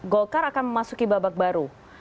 golkar akan memasuki babak baru